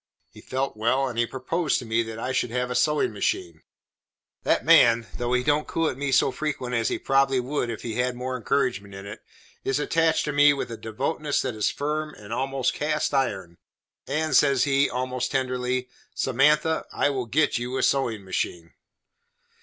He felt well, and he proposed to me that I should have a sewin' machine. That man, though he don't coo at me so frequent as he probable would if he had more encouragement in it, is attached to me with a devotedness that is firm and almost cast iron, and says he, almost tenderly: "Samantha, I will get you a sewin' machine."